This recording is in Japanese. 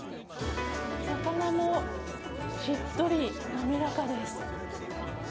魚もしっとりなめらかです。